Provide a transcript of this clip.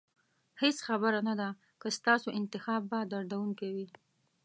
هېڅ خبره نه ده که ستاسو انتخاب به دردونکی وي.